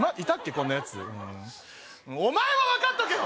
こんなやつお前は分かっとけよ！